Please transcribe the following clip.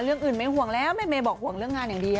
เรื่องอื่นไม่ห่วงแล้วแม่เมย์บอกห่วงเรื่องงานอย่างเดียว